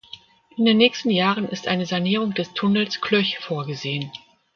In den nächsten Jahren ist eine Sanierung des Tunnels Klöch vorgesehen.